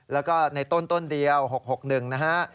แล้วก็ในต้นเดียว๖๖๑นะฮะ